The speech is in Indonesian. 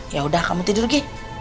yaudah kamu tidur gi